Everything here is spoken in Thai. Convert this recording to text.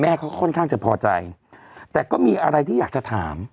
ค่อนข้างจะพอใจแต่ก็มีอะไรที่อยากจะถาม